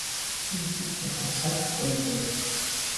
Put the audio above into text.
Jusitofe saɨkuede.